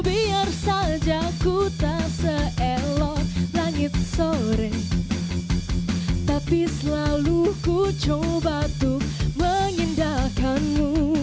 biar saja ku tak seelok langit sore tapi selalu ku coba tuh mengindahkanmu